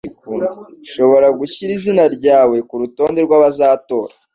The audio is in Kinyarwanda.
Ushobora gushyira izina ryawe kurutonde rw’abazatora.